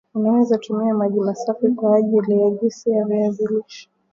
unaweza tumia maji masafi kwa ajili ya juisi ya viazi lishe